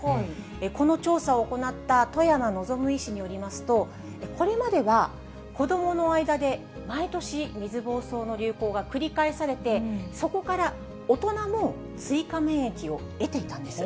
この調査を行った外山望医師によりますと、これまでは子どもの間で毎年、水ぼうそうの流行が繰り返されて、そこから大人も追加免疫を得ていたんです。